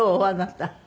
あなた。